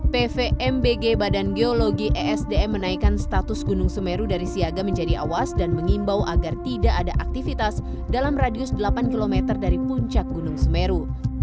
pvmbg badan geologi esdm menaikkan status gunung semeru dari siaga menjadi awas dan mengimbau agar tidak ada aktivitas dalam radius delapan km dari puncak gunung semeru